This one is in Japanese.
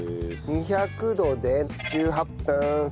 ２００度で１８分。